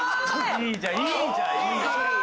いいじゃんいいじゃん！